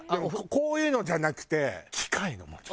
こういうのじゃなくて。